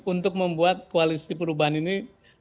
untuk membuat koalisi perubahan ini